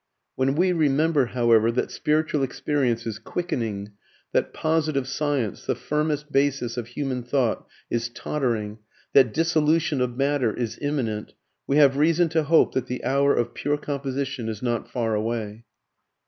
When we remember, however, that spiritual experience is quickening, that positive science, the firmest basis of human thought, is tottering, that dissolution of matter is imminent, we have reason to hope that the hour of pure composition is not far away.